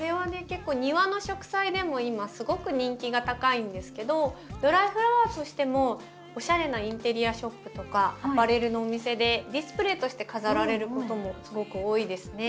結構庭の植栽でも今すごく人気が高いんですけどドライフラワーとしてもおしゃれなインテリアショップとかアパレルのお店でディスプレーとして飾られることもすごく多いですね。